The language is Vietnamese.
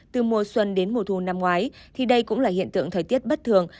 từ mùa xuân đến mùa thu năm ngoái thì đây cũng là hiện tượng thời tiết bất thường